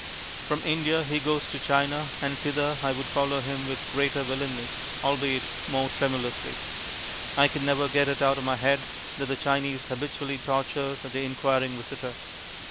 From India he goes to China, and thither I would follow him with greater willingness, albeit more tremulously. I can never get it out of my head that the Chinese habitually torture the inquiring visitor.